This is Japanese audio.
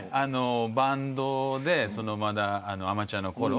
バンドでまだアマチュアのころ